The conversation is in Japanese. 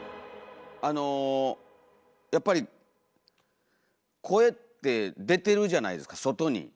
あのやっぱり声って出てるじゃないですか外に。